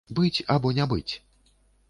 Быць або не быць?